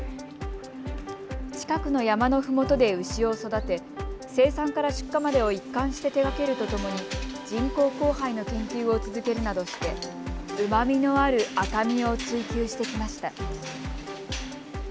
近くの山のふもとで牛を育て、生産から出荷までを一貫して手がけるとともに人工交配の研究を続けるなどしてうまみのある赤身を追求してきました。